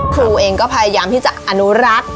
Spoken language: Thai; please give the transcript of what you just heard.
ครูเองก็พยายามที่จะอนุรักษ์